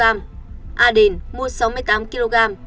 a đền mua sáu mươi tám kg